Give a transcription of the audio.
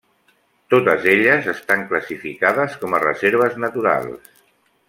Totes elles estan classificades com a reserves naturals.